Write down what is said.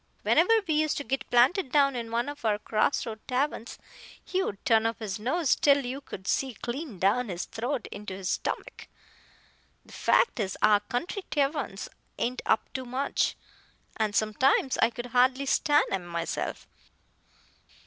Whenever we used to git planted down in one of our cross road taverns, he'd turn up his nose till you could see clean down his throat into his stommick. The fact is, our country taverns ain't up to much, an' sometimes I could hardly stand 'em myself.